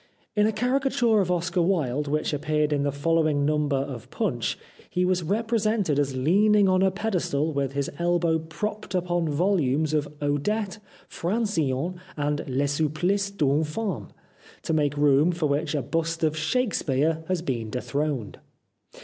In a caricature of Oscar Wilde which appeared in the following number of Punch he was re presented as leaning on a pedestal with his elbow propped upon volumes of " Odette," " Fran cillon," and " Le Supplice d'Une Femme," to make room for which a bust of Shakespeare has been dethroned.